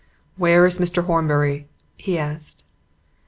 "Where is Mr. Horbury?" he asked.